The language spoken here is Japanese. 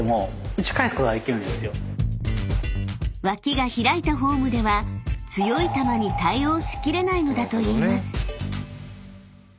［脇が開いたフォームでは強い球に対応し切れないのだといいます］